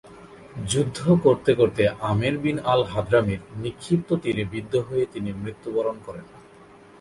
যুদ্ধ করতে করতে "আমের বিন আল-হাদরামী"র নিক্ষিপ্ত তীরে বিদ্ধ হয়ে তিনি মৃত্যু বরণ করেন।